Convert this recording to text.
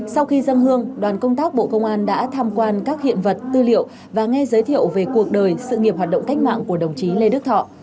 sau khi dân hương đoàn công tác bộ công an đã tham quan các hiện vật tư liệu và nghe giới thiệu về cuộc đời sự nghiệp hoạt động cách mạng của đồng chí lê đức thọ